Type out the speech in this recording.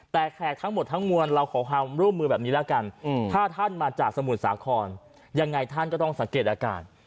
แต่แขกทั้งหมดทั้งมวลเราขอความร่วมมือแบบนี้แล้วกันถ้าท่านมาจากสมุทรสาครยังไงท่านก็ต้องสังเกตอาการ